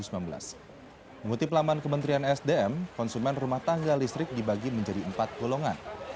mengutip laman kementerian sdm konsumen rumah tangga listrik dibagi menjadi empat golongan